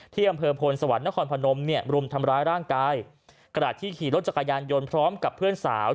อำเภอพลสวรรค์นครพนมเนี่ยรุมทำร้ายร่างกายกระดาษที่ขี่รถจักรยานยนต์พร้อมกับเพื่อนสาว